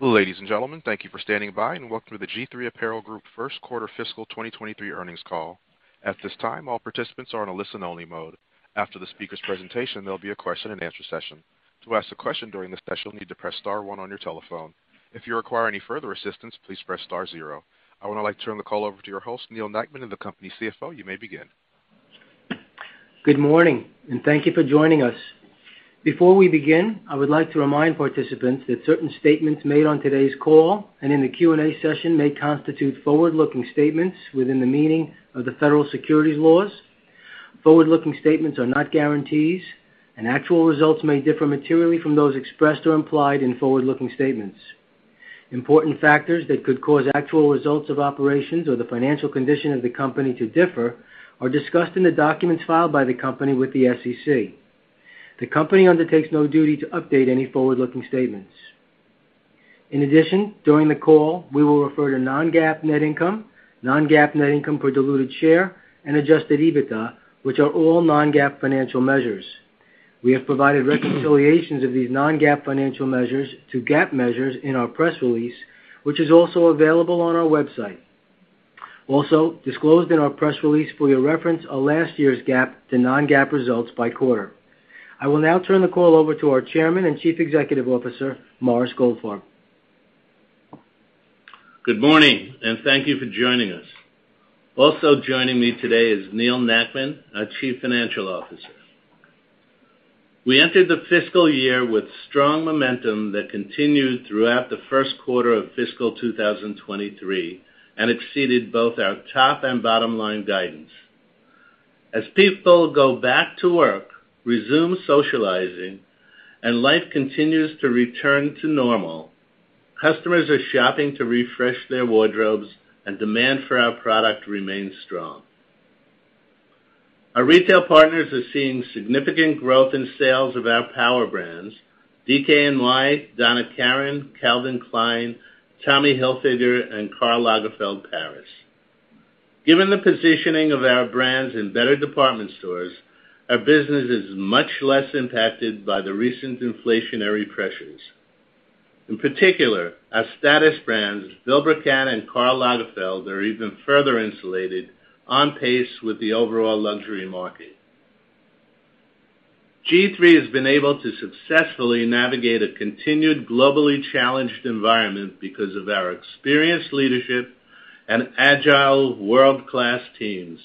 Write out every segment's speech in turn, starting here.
Ladies and gentlemen, thank you for standing by and welcome to the G-III Apparel Group First Quarter Fiscal 2023 Earnings Call. At this time, all participants are in a listen-only mode. After the speaker's presentation, there'll be a question-and-answer session. To ask a question during the session, you'll need to press star one on your telephone. If you require any further assistance, please press star zero. I would now like to turn the call over to your host, Neal Nackman, and the company CFO. You may begin. Good morning and thank you for joining us. Before we begin, I would like to remind participants that certain statements made on today's call and in the Q&A session may constitute forward-looking statements within the meaning of the federal securities laws. Forward-looking statements are not guarantees, and actual results may differ materially from those expressed or implied in forward-looking statements. Important factors that could cause actual results of operations or the financial condition of the company to differ are discussed in the documents filed by the company with the SEC. The company undertakes no duty to update any forward-looking statements. In addition, during the call, we will refer to non-GAAP net income, non-GAAP net income per diluted share, and Adjusted EBITDA, which are all non-GAAP financial measures. We have provided reconciliations of these non-GAAP financial measures to GAAP measures in our press release, which is also available on our website. Also disclosed in our press release for your reference are last year's GAAP to non-GAAP results by quarter. I will now turn the call over to our Chairman and Chief Executive Officer, Morris Goldfarb. Good morning, and thank you for joining us. Also joining me today is Neal Nackman, our Chief Financial Officer. We entered the fiscal year with strong momentum that continued throughout the first quarter of fiscal 2023 and exceeded both our top and bottom-line guidance. As people go back to work, resume socializing, and life continues to return to normal, customers are shopping to refresh their wardrobes and demand for our product remains strong. Our retail partners are seeing significant growth in sales of our power brands, DKNY, Donna Karan, Calvin Klein, Tommy Hilfiger, and Karl Lagerfeld Paris. Given the positioning of our brands in better department stores, our business is much less impacted by the recent inflationary pressures. In particular, our status brands, Vilebrequin and Karl Lagerfeld, are even further insulated on pace with the overall luxury market. G-III has been able to successfully navigate a continued globally challenged environment because of our experienced leadership and agile world-class teams.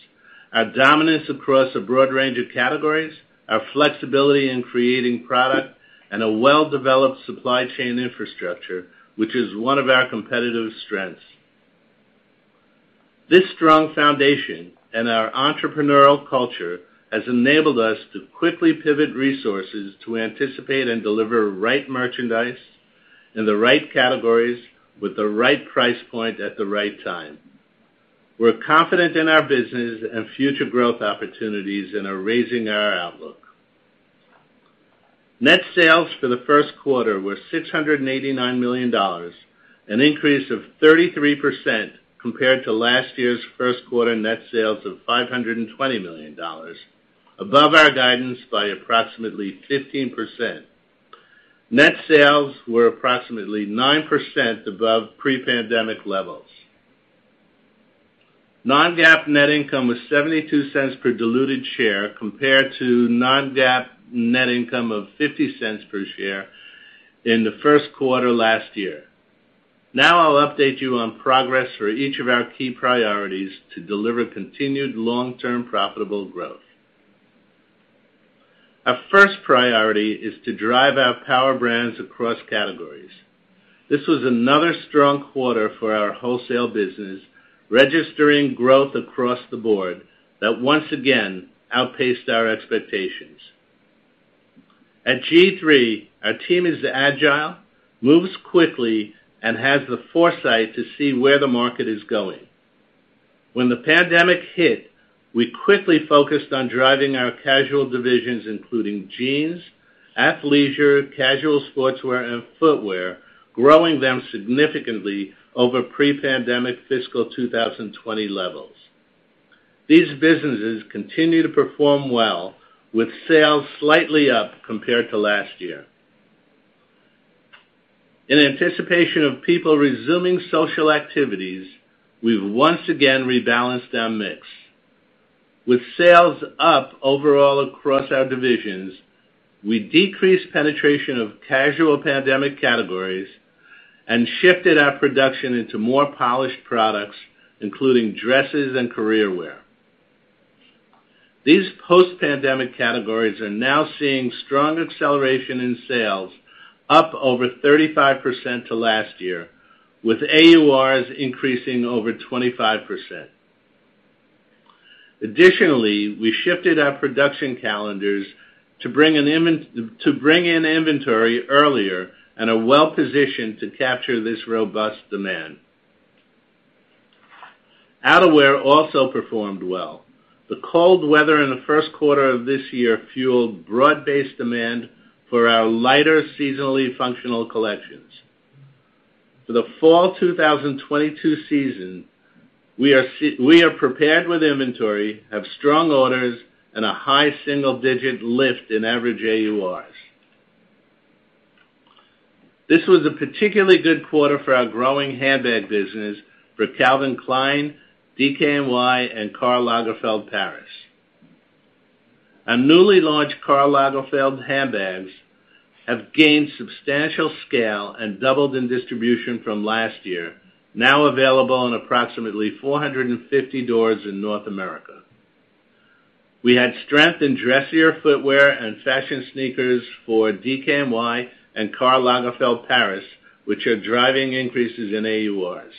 Our dominance across a broad range of categories, our flexibility in creating product, and a well-developed supply chain infrastructure, which is one of our competitive strengths. This strong foundation and our entrepreneurial culture has enabled us to quickly pivot resources to anticipate and deliver right merchandise in the right categories with the right price point at the right time. We're confident in our business and future growth opportunities and are raising our outlook. Net sales for the first quarter were $689 million, an increase of 33% compared to last year's first quarter net sales of $520 million, above our guidance by approximately 15%. Net sales were approximately 9% above pre-pandemic levels. Non-GAAP net income was $0.72 per diluted share compared to non-GAAP net income of $0.50 per share in the first quarter last year. Now I'll update you on progress for each of our key priorities to deliver continued long-term profitable growth. Our first priority is to drive our power brands across categories. This was another strong quarter for our wholesale business, registering growth across the board that once again outpaced our expectations. At G-III, our team is agile, moves quickly, and has the foresight to see where the market is going. When the pandemic hit, we quickly focused on driving our casual divisions, including jeans, athleisure, casual sportswear, and footwear, growing them significantly over pre-pandemic fiscal 2020 levels. These businesses continue to perform well with sales slightly up compared to last year. In anticipation of people resuming social activities, we've once again rebalanced our mix. With sales up overall across our divisions, we decreased penetration of casual pandemic categories and shifted our production into more polished products, including dresses and career wear. These post-pandemic categories are now seeing strong acceleration in sales up over 35% to last year, with AURs increasing over 25%. Additionally, we shifted our production calendars to bring in inventory earlier and are well-positioned to capture this robust demand. Outerwear also performed well. The cold weather in the first quarter of this year fueled broad-based demand for our lighter seasonally functional collections. For the fall 2022 season, we are prepared with inventory, have strong orders, and a high single-digit lift in average AURs. This was a particularly good quarter for our growing handbag business for Calvin Klein, DKNY, and Karl Lagerfeld Paris. Our newly launched Karl Lagerfeld handbags have gained substantial scale and doubled in distribution from last year, now available in approximately 450 doors in North America. We had strength in dressier footwear and fashion sneakers for DKNY and Karl Lagerfeld Paris, which are driving increases in AURs.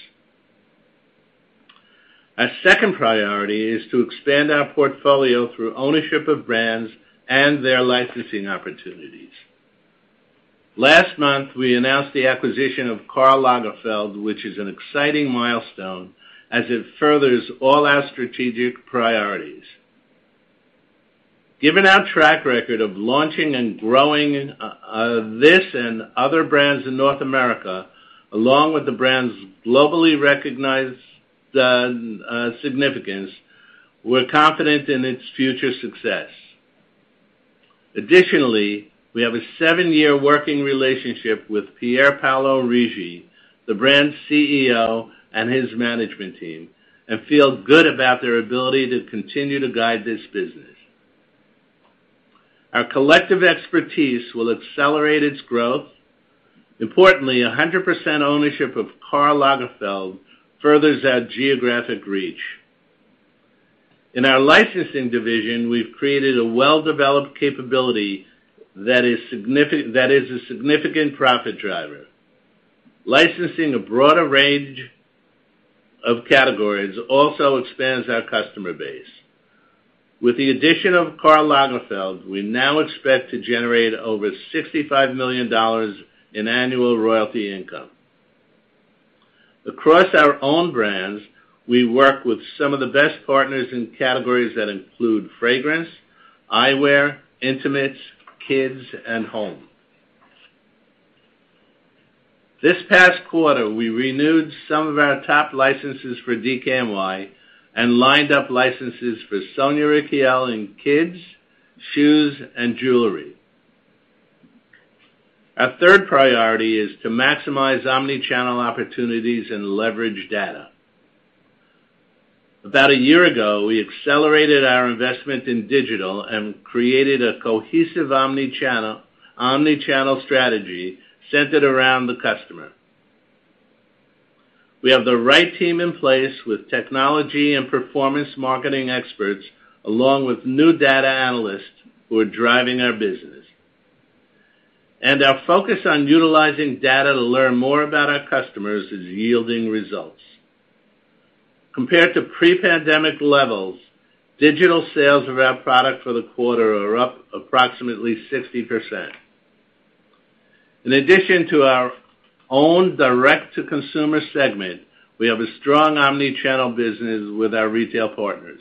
Our second priority is to expand our portfolio through ownership of brands and their licensing opportunities. Last month, we announced the acquisition of Karl Lagerfeld, which is an exciting milestone as it furthers all our strategic priorities. Given our track record of launching and growing this and other brands in North America, along with the brand's globally recognized significance, we're confident in its future success. Additionally, we have a seven-year working relationship with Pier Paolo Righi, the brand's CEO, and his management team, and feel good about their ability to continue to guide this business. Our collective expertise will accelerate its growth. Importantly, 100% ownership of Karl Lagerfeld furthers our geographic reach. In our licensing division, we've created a well-developed capability that is a significant profit driver. Licensing a broader range of categories also expands our customer base. With the addition of Karl Lagerfeld, we now expect to generate over $65 million in annual royalty income. Across our own brands, we work with some of the best partners in categories that include fragrance, eyewear, intimates, kids, and home. This past quarter, we renewed some of our top licenses for DKNY and lined up licenses for Sonia Rykiel in kids, shoes, and jewelry. Our third priority is to maximize omni-channel opportunities and leverage data. About a year ago, we accelerated our investment in digital and created a cohesive omni-channel strategy centered around the customer. We have the right team in place with technology and performance marketing experts, along with new data analysts who are driving our business. Our focus on utilizing data to learn more about our customers is yielding results. Compared to pre-pandemic levels, digital sales of our product for the quarter are up approximately 60%. In addition to our own direct-to-consumer segment, we have a strong omni-channel business with our retail partners.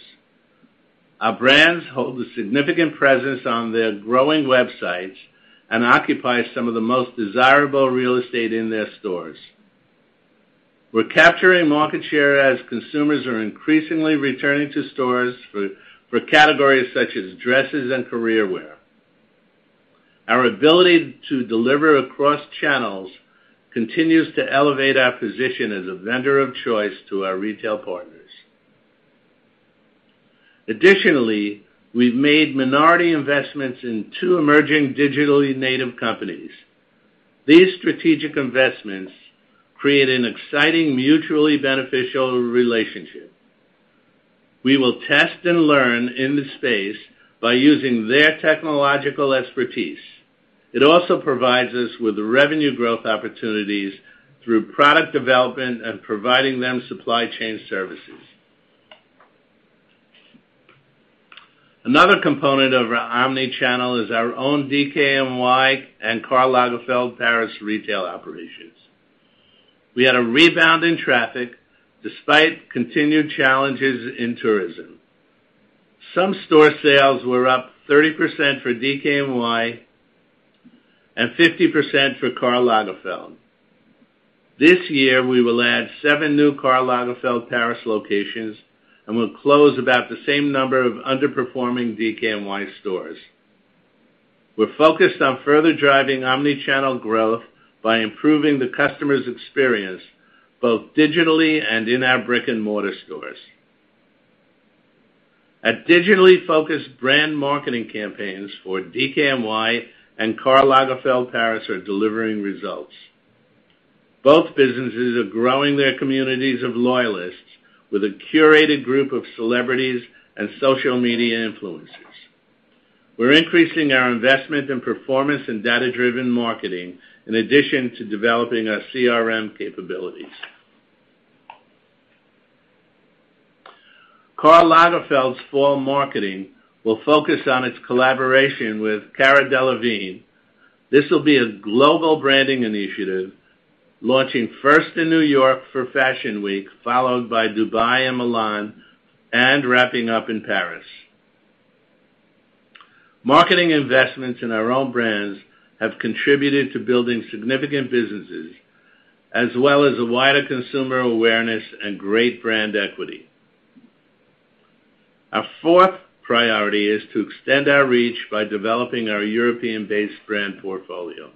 Our brands hold a significant presence on their growing websites and occupy some of the most desirable real estate in their stores. We're capturing market share as consumers are increasingly returning to stores for categories such as dresses and career wear. Our ability to deliver across channels continues to elevate our position as a vendor of choice to our retail partners. Additionally, we've made minority investments in two emerging digitally native companies. These strategic investments create an exciting, mutually beneficial relationship. We will test and learn in this space by using their technological expertise. It also provides us with revenue growth opportunities through product development and providing them supply chain services. Another component of our omni-channel is our own DKNY and Karl Lagerfeld Paris retail operations. We had a rebound in traffic despite continued challenges in tourism. Some store sales were up 30% for DKNY and 50% for Karl Lagerfeld. This year, we will add seven new Karl Lagerfeld Paris locations and will close about the same number of underperforming DKNY stores. We're focused on further driving omni-channel growth by improving the customer's experience both digitally and in our brick-and-mortar stores. Our digitally focused brand marketing campaigns for DKNY and Karl Lagerfeld Paris are delivering results. Both businesses are growing their communities of loyalists with a curated group of celebrities and social media influencers. We're increasing our investment in performance and data-driven marketing in addition to developing our CRM capabilities. Karl Lagerfeld's fall marketing will focus on its collaboration with Cara Delevingne. This will be a global branding initiative launching first in New York for Fashion Week, followed by Dubai and Milan, and wrapping up in Paris. Marketing investments in our own brands have contributed to building significant businesses as well as a wider consumer awareness and great brand equity. Our fourth priority is to extend our reach by developing our European-based brand portfolio.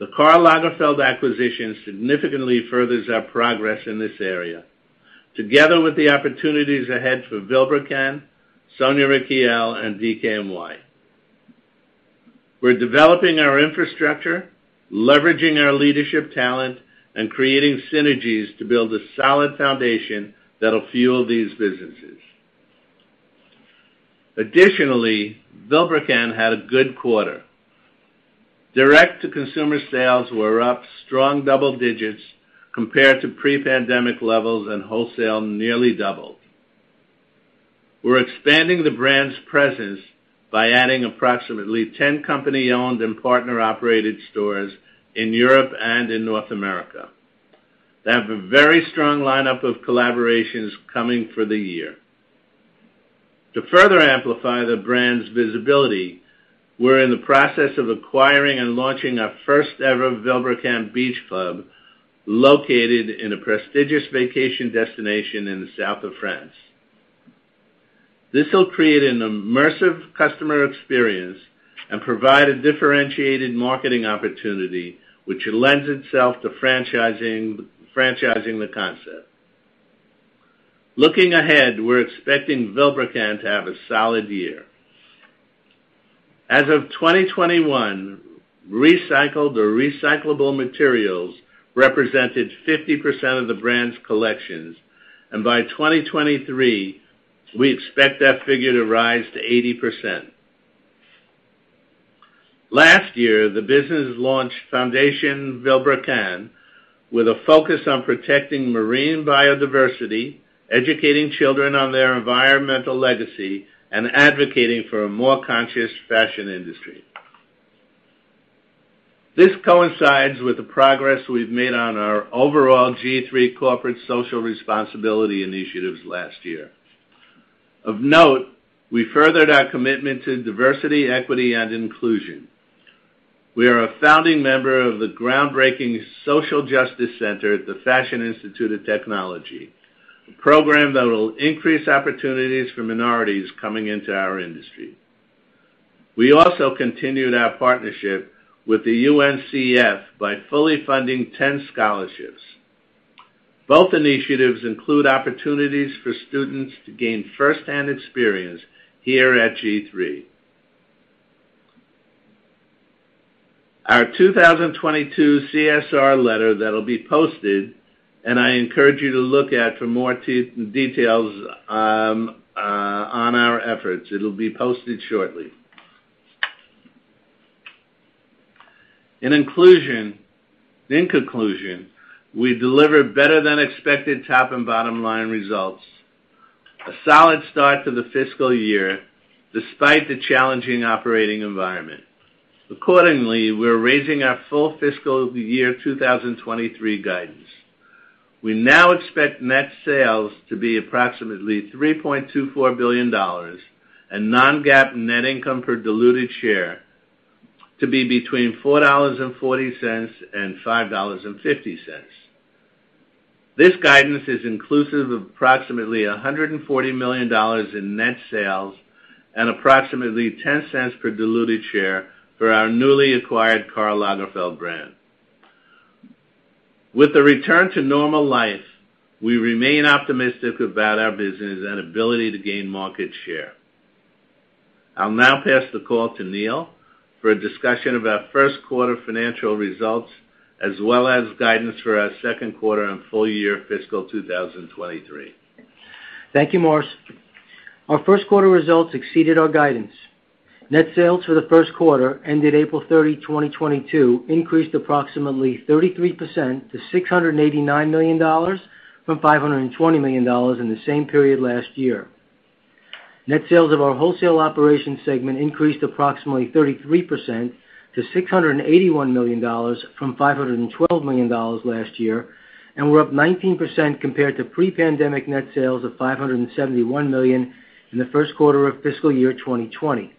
The Karl Lagerfeld acquisition significantly furthers our progress in this area, together with the opportunities ahead for Vilebrequin, Sonia Rykiel, and DKNY. We're developing our infrastructure, leveraging our leadership talent, and creating synergies to build a solid foundation that'll fuel these businesses. Additionally, Vilebrequin had a good quarter. Direct-to-consumer sales were up strong double digits compared to pre-pandemic levels, and wholesale nearly doubled. We're expanding the brand's presence by adding approximately 10 company-owned and partner-operated stores in Europe and in North America. They have a very strong lineup of collaborations coming for the year. To further amplify the brand's visibility, we're in the process of acquiring and launching our first-ever Vilebrequin Beach Club, located in a prestigious vacation destination in the south of France. This will create an immersive customer experience and provide a differentiated marketing opportunity, which lends itself to franchising the concept. Looking ahead, we're expecting Vilebrequin to have a solid year. As of 2021, recycled or recyclable materials represented 50% of the brand's collections, and by 2023, we expect that figure to rise to 80%. Last year, the business launched Fondation Vilebrequin with a focus on protecting marine biodiversity, educating children on their environmental legacy, and advocating for a more conscious fashion industry. This coincides with the progress we've made on our overall G-III corporate social responsibility initiatives last year. Of note, we furthered our commitment to diversity, equity, and inclusion. We are a founding member of the groundbreaking Social Justice Center at the Fashion Institute of Technology, a program that will increase opportunities for minorities coming into our industry. We also continued our partnership with the UNCF by fully funding 10 scholarships. Both initiatives include opportunities for students to gain firsthand experience here at G-III. Our 2022 CSR letter that'll be posted, and I encourage you to look at for more details on our efforts. It'll be posted shortly. In conclusion, we delivered better-than-expected top- and bottom-line results, a solid start to the fiscal year despite the challenging operating environment. Accordingly, we're raising our full fiscal year 2023 guidance. We now expect net sales to be approximately $3.24 billion and non-GAAP net income per diluted share to be between $4.40 and $5.50. This guidance is inclusive of approximately $140 million in net sales and approximately $0.10 per diluted share for our newly acquired Karl Lagerfeld brand. With the return to normal life, we remain optimistic about our business and ability to gain market share. I'll now pass the call to Neal for a discussion of our first quarter financial results as well as guidance for our second quarter and full year fiscal 2023. Thank you, Morris. Our first quarter results exceeded our guidance. Net sales for the first quarter ended April 30, 2022, increased approximately 33% to $689 million from $520 million in the same period last year. Net sales of our wholesale operation segment increased approximately 33% to $681 million from $512 million last year and were up 19% compared to pre-pandemic net sales of $571 million in the first quarter of fiscal year 2020.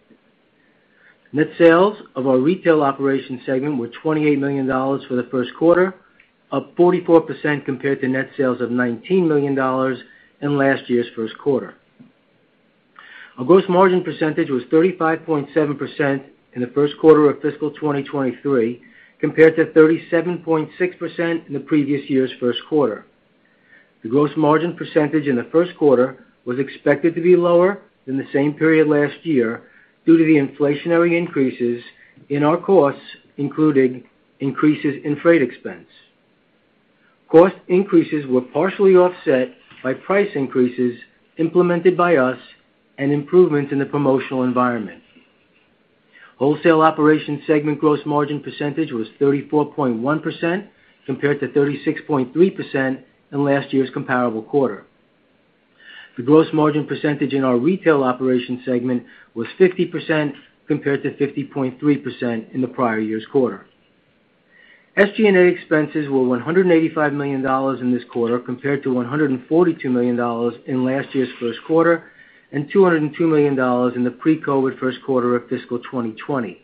Net sales of our retail operation segment were $28 million for the first quarter, up 44% compared to net sales of $19 million in last year's first quarter. Our gross margin percentage was 35.7% in the first quarter of fiscal 2023, compared to 37.6% in the previous year's first quarter. The gross margin percentage in the first quarter was expected to be lower than the same period last year due to the inflationary increases in our costs, including increases in freight expense. Cost increases were partially offset by price increases implemented by us and improvement in the promotional environment. Wholesale operation segment gross margin percentage was 34.1% compared to 36.3% in last year's comparable quarter. The gross margin percentage in our retail operation segment was 50% compared to 50.3% in the prior year's quarter. SG&A expenses were $185 million in this quarter, compared to $142 million in last year's first quarter and $202 million in the pre-COVID first quarter of fiscal 2020.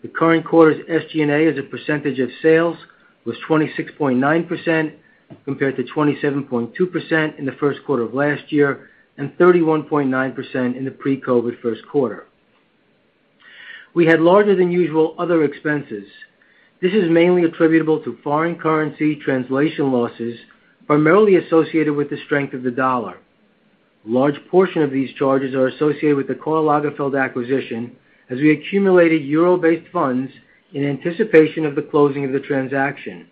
The current quarter's SG&A as a percentage of sales was 26.9% compared to 27.2% in the first quarter of last year and 31.9% in the pre-COVID-19 first quarter. We had larger than usual other expenses. This is mainly attributable to foreign currency translation losses, primarily associated with the strength of the dollar. Large portion of these charges are associated with the Karl Lagerfeld acquisition as we accumulated euro-based funds in anticipation of the closing of the transaction.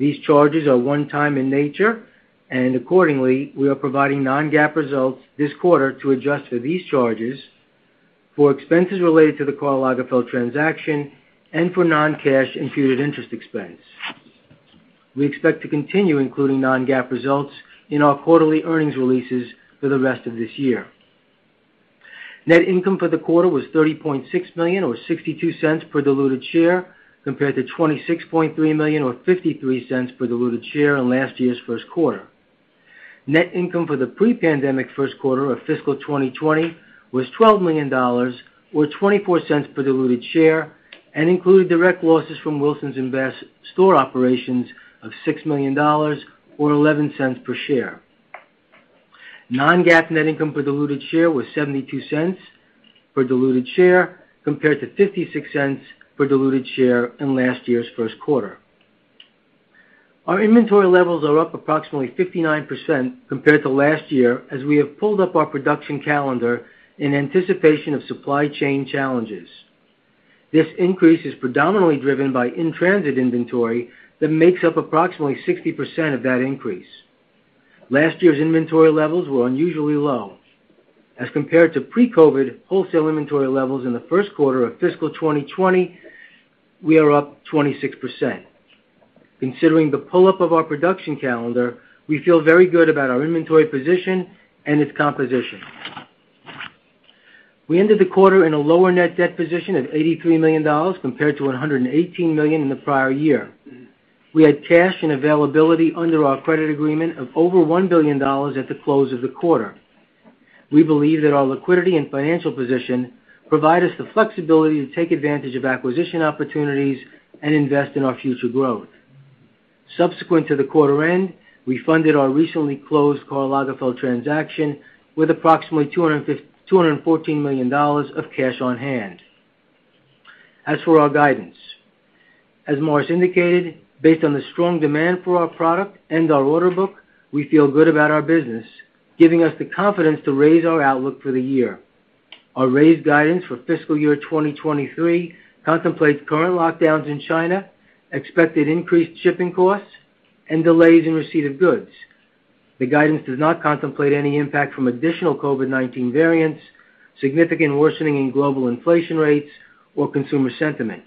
These charges are one-time in nature, and accordingly, we are providing non-GAAP results this quarter to adjust for these charges for expenses related to the Karl Lagerfeld transaction and for non-cash imputed interest expense. We expect to continue including non-GAAP results in our quarterly earnings releases for the rest of this year. Net income for the quarter was $30.6 million or $0.62 per diluted share, compared to $26.3 million or $0.53 per diluted share in last year's first quarter. Net income for the pre-pandemic first quarter of fiscal 2020 was $12 million or $0.24 per diluted share, and included direct losses from Wilsons and Bass store operations of $6 million or $0.11 per share. Non-GAAP net income per diluted share was $0.72 per diluted share compared to $0.56 per diluted share in last year's first quarter. Our inventory levels are up approximately 59% compared to last year as we have pulled up our production calendar in anticipation of supply chain challenges. This increase is predominantly driven by in-transit inventory that makes up approximately 60% of that increase. Last year's inventory levels were unusually low. As compared to pre-COVID wholesale inventory levels in the first quarter of fiscal 2020, we are up 26%. Considering the pull-up of our production calendar, we feel very good about our inventory position and its composition. We ended the quarter in a lower net debt position of $83 million compared to $118 million in the prior year. We had cash and availability under our credit agreement of over $1 billion at the close of the quarter. We believe that our liquidity and financial position provide us the flexibility to take advantage of acquisition opportunities and invest in our future growth. Subsequent to the quarter end, we funded our recently closed Karl Lagerfeld transaction with approximately $214 million of cash on hand. As for our guidance, as Morris indicated, based on the strong demand for our product and our order book, we feel good about our business, giving us the confidence to raise our outlook for the year. Our raised guidance for fiscal year 2023 contemplates current lockdowns in China, expected increased shipping costs, and delays in receipt of goods. The guidance does not contemplate any impact from additional COVID-19 variants, significant worsening in global inflation rates or consumer sentiment.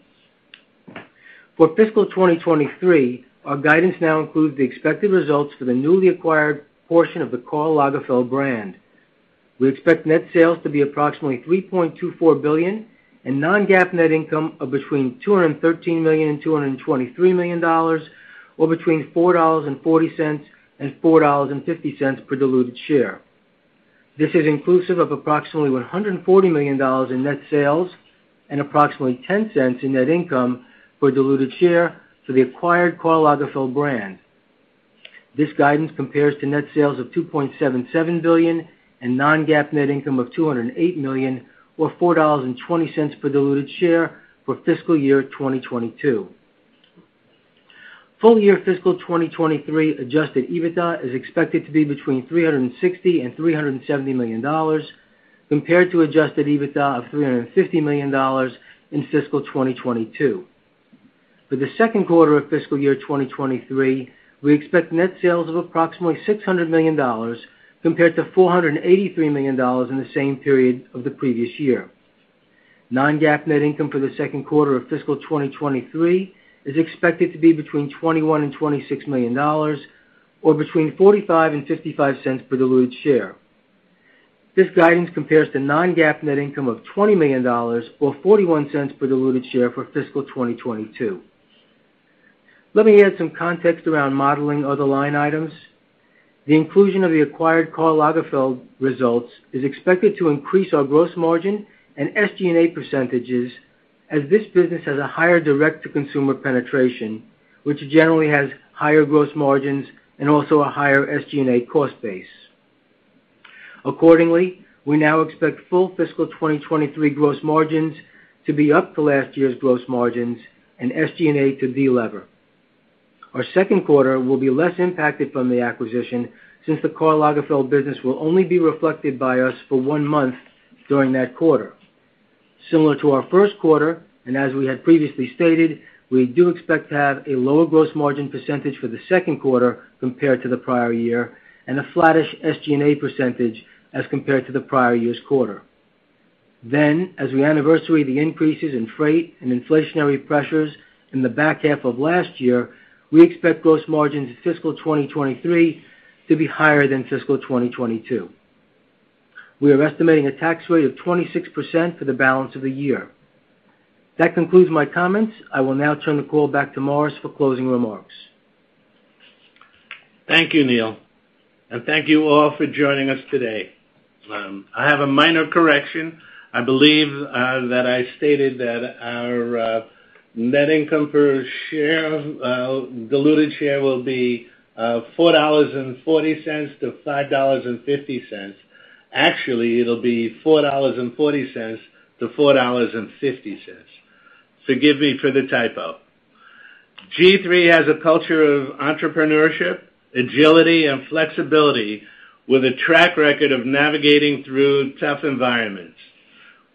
For fiscal 2023, our guidance now includes the expected results for the newly acquired portion of the Karl Lagerfeld brand. We expect net sales to be approximately $3.24 billion and non-GAAP net income of between $213 million and $223 million, or between $4.40 and $4.50 per diluted share. This is inclusive of approximately $140 million in net sales and approximately $0.10 in net income per diluted share for the acquired Karl Lagerfeld brand. This guidance compares to net sales of $2.77 billion and non-GAAP net income of $208 million or $4.20 per diluted share for fiscal year 2022. Full year fiscal 2023 Adjusted EBITDA is expected to be between $360 million and $370 million compared to Adjusted EBITDA of $350 million in fiscal 2022. For the second quarter of fiscal year 2023, we expect net sales of approximately $600 million compared to $483 million in the same period of the previous year. Non-GAAP net income for the second quarter of fiscal 2023 is expected to be between $21 million and $26 million or between $0.45 and $0.55 per diluted share. This guidance compares to non-GAAP net income of $20 million or $0.41 per diluted share for fiscal 2022. Let me add some context around modeling other line items. The inclusion of the acquired Karl Lagerfeld results is expected to increase our gross margin and SG&A percentages as this business has a higher direct-to-consumer penetration, which generally has higher gross margins and also a higher SG&A cost base. Accordingly, we now expect full fiscal 2023 gross margins to be up to last year's gross margins and SG&A to delever. Our second quarter will be less impacted from the acquisition since the Karl Lagerfeld business will only be reflected by us for one month during that quarter. Similar to our first quarter, and as we had previously stated, we do expect to have a lower gross margin percentage for the second quarter compared to the prior year, and a flattish SG&A percentage as compared to the prior year's quarter. Then, as we anniversary the increases in freight and inflationary pressures in the back half of last year, we expect gross margins in fiscal 2023 to be higher than fiscal 2022. We are estimating a tax rate of 26% for the balance of the year. That concludes my comments. I will now turn the call back to Morris for closing remarks. Thank you, Neal. Thank you all for joining us today. I have a minor correction. I believe that I stated that our net income per share, diluted share will be $4.40-$5.50. Actually, it'll be $4.40-$4.50. Forgive me for the typo. G3 has a culture of entrepreneurship, agility and flexibility with a track record of navigating through tough environments.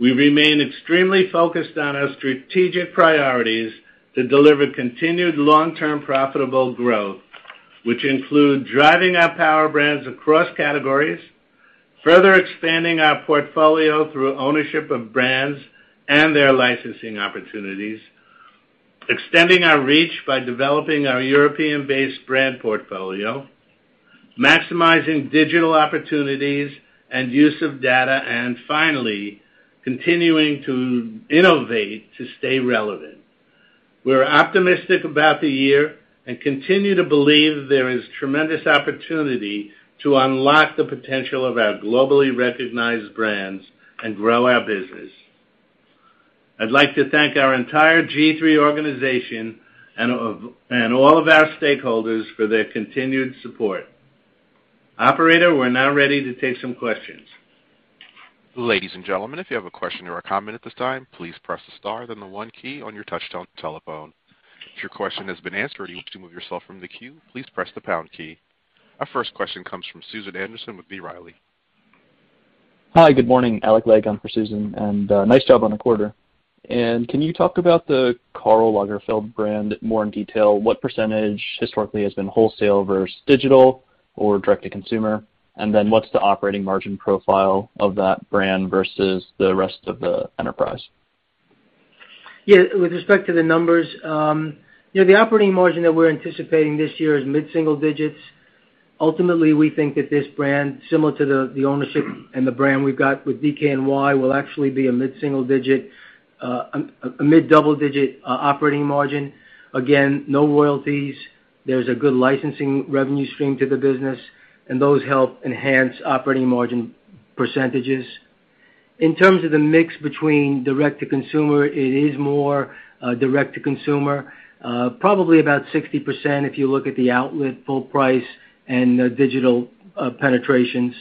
We remain extremely focused on our strategic priorities to deliver continued long-term profitable growth, which include driving our power brands across categories, further expanding our portfolio through ownership of brands and their licensing opportunities, extending our reach by developing our European-based brand portfolio, maximizing digital opportunities and use of data, and finally, continuing to innovate to stay relevant. We're optimistic about the year and continue to believe there is tremendous opportunity to unlock the potential of our globally recognized brands and grow our business. I'd like to thank our entire G-III organization and all of our stakeholders for their continued support. Operator, we're now ready to take some questions. Ladies and gentlemen, if you have a question or a comment at this time, please press the star, then the one key on your touch tone telephone. If your question has been answered or you wish to move yourself from the queue, please press the pound key. Our first question comes from Susan Anderson with B. Riley. Hi, good morning. Alec Legg on for Susan, and nice job on the quarter. Can you talk about the Karl Lagerfeld brand more in detail? What percentage historically has been wholesale versus digital or direct-to-consumer? and then what's the operating margin profile of that brand versus the rest of the enterprise? Yeah. With respect to the numbers, you know, the operating margin that we're anticipating this year is mid-single digits. Ultimately, we think that this brand, similar to the ownership and the brand we've got with DKNY, will actually be a mid-double digit operating margin. Again, no royalties. There's a good licensing revenue stream to the business, and those help enhance operating margin percentages. In terms of the mix between direct-to-consumer, it is more direct-to-consumer, probably about 60% if you look at the outlet full price and digital penetrations.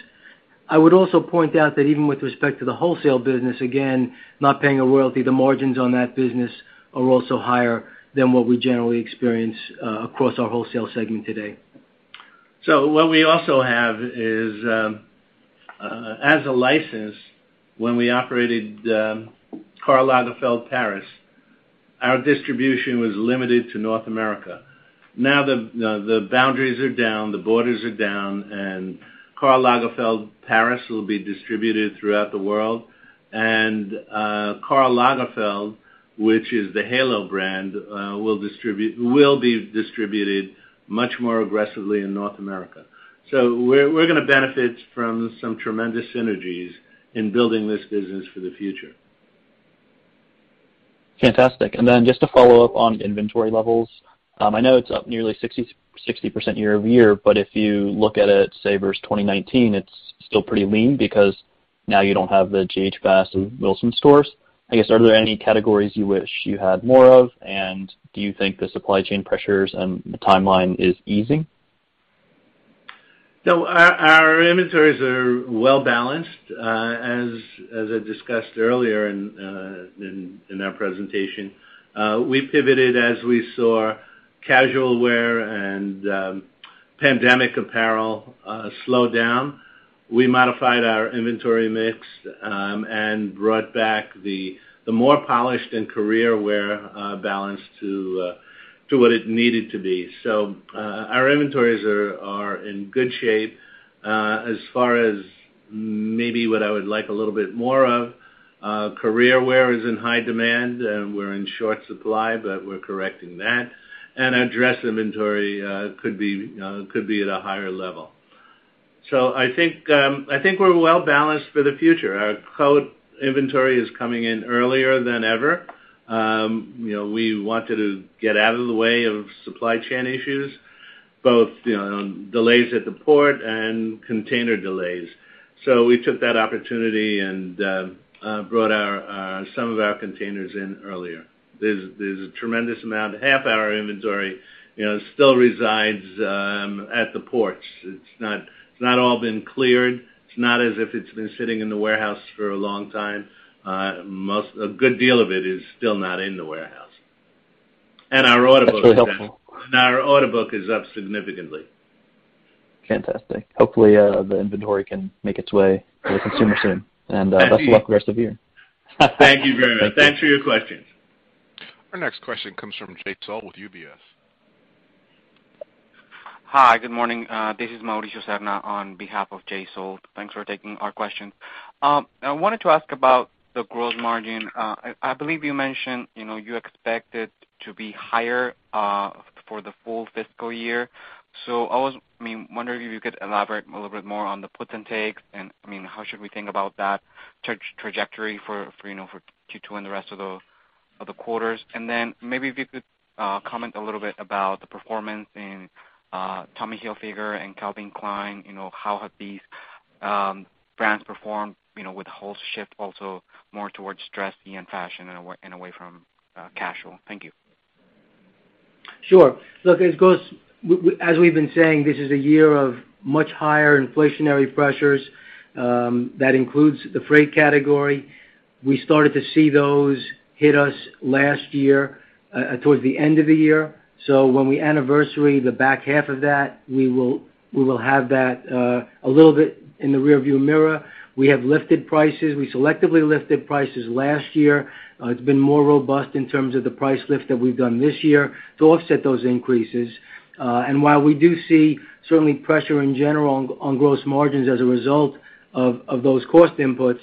I would also point out that even with respect to the wholesale business, again, not paying a royalty, the margins on that business are also higher than what we generally experience across our wholesale segment today. What we also have is, as a license, when we operated Karl Lagerfeld Paris, our distribution was limited to North America. Now the boundaries are down, the borders are down, and Karl Lagerfeld Paris will be distributed throughout the world. Karl Lagerfeld, which is the halo brand, will be distributed much more aggressively in North America. We're gonna benefit from some tremendous synergies in building this business for the future. Fantastic. Just to follow up on inventory levels, I know it's up nearly 60% year-over-year, but if you look at it, say, versus 2019, it's still pretty lean because now you don't have the G.H. Bass and Wilsons Leather stores. I guess, are there any categories you wish you had more of? Do you think the supply chain pressures and the timeline is easing? No, our inventories are well-balanced. As I discussed earlier in our presentation, we pivoted as we saw casual wear and pandemic apparel slow down. We modified our inventory mix and brought back the more polished and career wear balance to what it needed to be. Our inventories are in good shape. As far as maybe what I would like a little bit more of, career wear is in high demand, and we're in short supply, but we're correcting that. Our dress inventory could be at a higher level. I think we're well-balanced for the future. Our coat inventory is coming in earlier than ever. You know, we wanted to get out of the way of supply chain issues, both, you know, on delays at the port and container delays. We took that opportunity and brought some of our containers in earlier. There's a tremendous amount. Half of our inventory, you know, still resides at the ports. It's not all been cleared. It's not as if it's been sitting in the warehouse for a long time. A good deal of it is still not in the warehouse. Our order book- That's really helpful. Our order book is up significantly. Fantastic. Hopefully, the inventory can make its way to the consumer soon. Best of luck for the rest of the year. Thank you very much. Thanks for your questions. Our next question comes from Jay Sole with UBS. Hi, good morning. This is Mauricio Serna on behalf of Jay Sole. Thanks for taking our questions. I wanted to ask about the gross margin. I believe you mentioned, you know, you expect it to be higher, for the full fiscal year. I was, I mean, wondering if you could elaborate a little bit more on the puts and takes, and, I mean, how should we think about that trajectory for, you know, for Q2 and the rest of the quarters? Then maybe if you could comment a little bit about the performance in Tommy Hilfiger and Calvin Klein. You know, how have these brands performed, you know, with the whole shift also more towards dressy and fashion and away from casual? Thank you. Sure. Look, as we've been saying, this is a year of much higher inflationary pressures, that includes the freight category. We started to see those hit us last year, towards the end of the year. When we anniversary the back half of that, we will have that a little bit in the rearview mirror. We have lifted prices. We selectively lifted prices last year. It's been more robust in terms of the price lift that we've done this year to offset those increases. While we do see certain pressure in general on gross margins as a result of those cost inputs,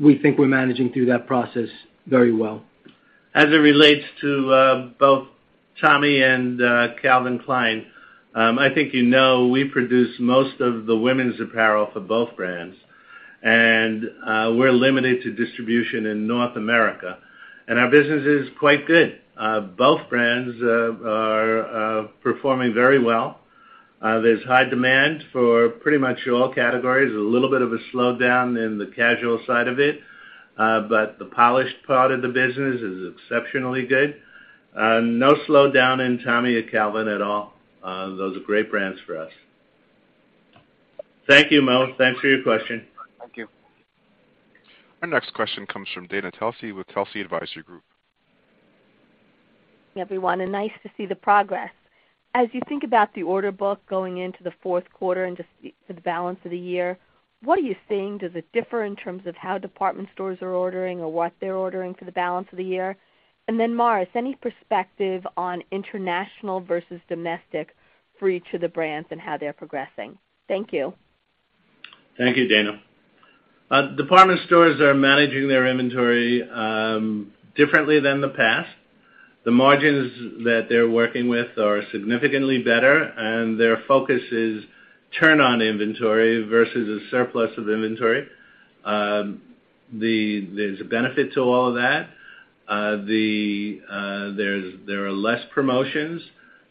we think we're managing through that process very well. As it relates to both Tommy and Calvin Klein, I think you know we produce most of the women's apparel for both brands. We're limited to distribution in North America, and our business is quite good. Both brands are performing very well. There's high demand for pretty much all categories. A little bit of a slowdown in the casual side of it, but the polished part of the business is exceptionally good. No slowdown in Tommy or Calvin at all. Those are great brands for us. Thank you, Mauricio. Thanks for your question. Thank you. Our next question comes from Dana Telsey with Telsey Advisory Group. Everyone, and nice to see the progress. As you think about the order book going into the fourth quarter and just the balance of the year, what are you seeing? Does it differ in terms of how department stores are ordering or what they're ordering for the balance of the year? Morris, any perspective on international versus domestic for each of the brands and how they're progressing? Thank you. Thank you, Dana. Department stores are managing their inventory differently than the past. The margins that they're working with are significantly better, and their focus is turn on inventory versus a surplus of inventory. There's a benefit to all of that. There are less promotions.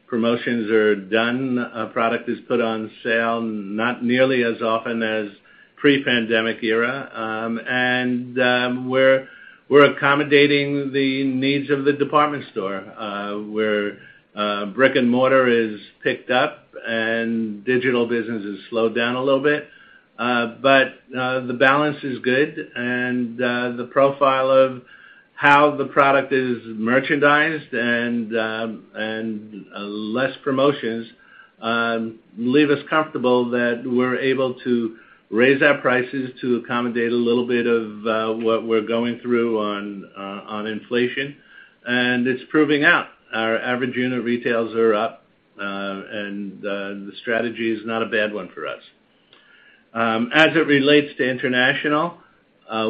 Promotions are done. A product is put on sale not nearly as often as pre-pandemic era. We're accommodating the needs of the department store where brick and mortar is picked up and digital business has slowed down a little bit, but the balance is good. The profile of how the product is merchandised and less promotions leave us comfortable that we're able to raise our prices to accommodate a little bit of what we're going through on inflation. It's proving out. Our average unit retail is up and the strategy is not a bad one for us. As it relates to international,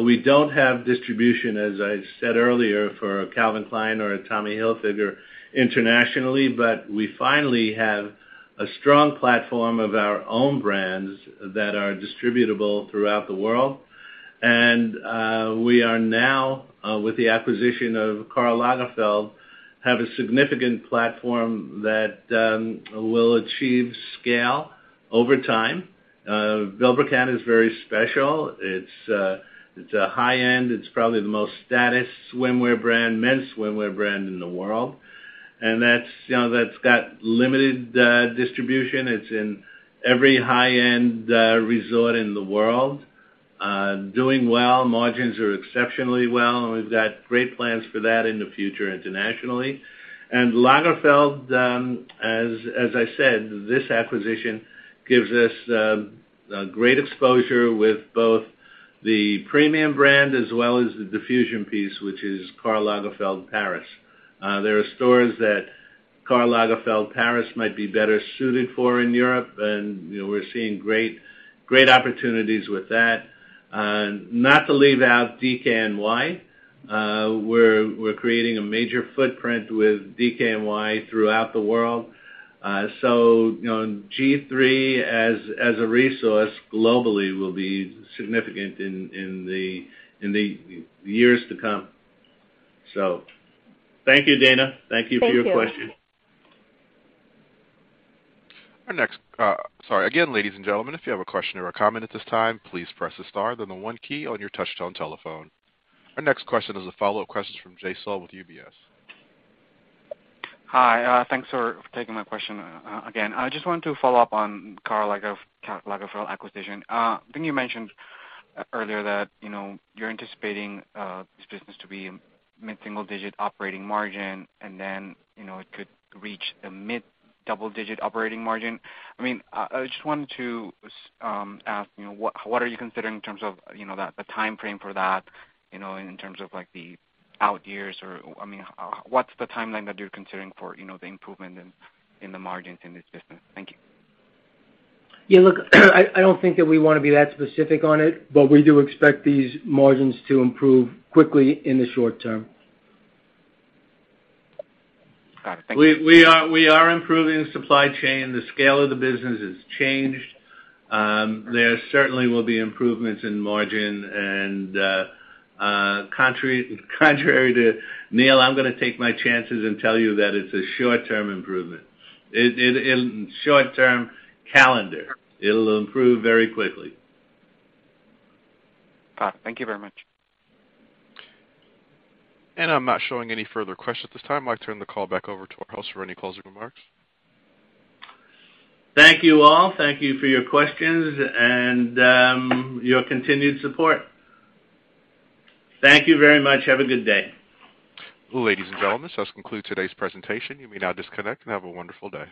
we don't have distribution, as I said earlier, for Calvin Klein or Tommy Hilfiger internationally, but we finally have a strong platform of our own brands that are distributable throughout the world. We are now, with the acquisition of Karl Lagerfeld, have a significant platform that will achieve scale over time. Vilebrequin is very special. It's a high-end. It's probably the most status swimwear brand, men's swimwear brand in the world. That's, you know, got limited distribution. It's in every high-end resort in the world. Doing well. Margins are exceptionally well. We've got great plans for that in the future internationally. Karl Lagerfeld, as I said, this acquisition gives us great exposure with both the premium brand as well as the diffusion piece, which is Karl Lagerfeld Paris. There are stores that Karl Lagerfeld Paris might be better suited for in Europe, and, you know, we're seeing great opportunities with that. Not to leave out DKNY. We're creating a major footprint with DKNY throughout the world. You know, G-III as a resource globally will be significant in the years to come. Thank you, Dana. Thank you for your question. Thank you. Again, ladies and gentlemen, if you have a question or a comment at this time, please press the star then the one key on your touch-tone telephone. Our next question is a follow-up question from Jay Sole with UBS. Hi. Thanks for taking my question again. I just wanted to follow up on Karl Lagerfeld acquisition. I think you mentioned earlier that, you know, you're anticipating this business to be mid-single digit operating margin, and then, you know, it could reach the mid-double digit operating margin. I mean, I just wanted to ask, you know, what are you considering in terms of, you know, the timeframe for that, you know, in terms of like the out years or, I mean, what's the timeline that you're considering for, you know, the improvement in the margins in this business? Thank you. Yeah, look, I don't think that we wanna be that specific on it, but we do expect these margins to improve quickly in the short term. Got it. Thank you. We are improving supply chain. The scale of the business has changed. There certainly will be improvements in margin. Contrary to Neal, I'm gonna take my chances and tell you that it's a short-term improvement. It in short-term calendar, it'll improve very quickly. Got it. Thank you very much. I'm not showing any further questions at this time. I'll turn the call back over to our host for any closing remarks. Thank you all. Thank you for your questions and your continued support. Thank you very much. Have a good day. Ladies and gentlemen, this does conclude today's presentation. You may now disconnect and have a wonderful day.